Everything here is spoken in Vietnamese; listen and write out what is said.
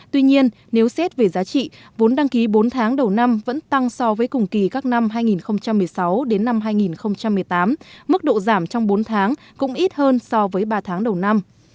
tuy nhiên nếu xét về giá trị vốn đăng ký bốn tháng đầu năm vẫn tăng so với cùng kỳ các năm hai nghìn một mươi sáu đến năm hai nghìn một mươi tám mức độ giảm trong bốn tháng cũng ít hơn so với ba tháng đầu năm